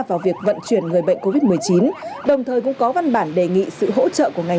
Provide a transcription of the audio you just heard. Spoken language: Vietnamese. vào việc vận chuyển người bệnh covid một mươi chín đồng thời cũng có văn bản đề nghị sự hỗ trợ của ngành